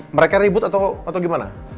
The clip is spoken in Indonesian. mereka ribut atau gimana